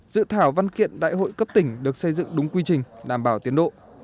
dự thảo văn kiện đại hội cấp tỉnh được xây dựng đúng quy trình đảm bảo tiến độ